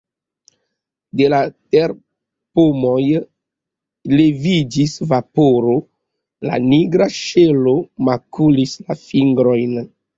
De la terpomoj leviĝis vaporo, la nigra ŝelo makulis la fingrojn.